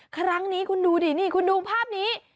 ครั้งนี้คุณดูดินี่คุณดูภาพนี้